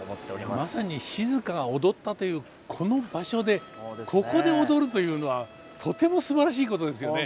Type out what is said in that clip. まさに静が踊ったというこの場所でここで踊るというのはとてもすばらしいことですよね。